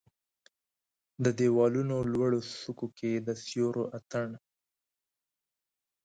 د د یوالونو لوړو څوکو کې د سیورو اټن